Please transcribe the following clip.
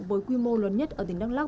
với quy mô lớn nhất ở tỉnh đăng lóc